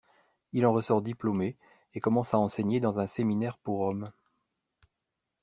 Il en ressort diplômé et commence à enseigner dans un séminaire pour hommes.